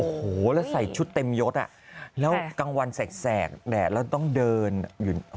โอ้โหแล้วใส่ชุดเต็มยศอ่ะแล้วกลางวันแสกแดดแล้วต้องเดินอยู่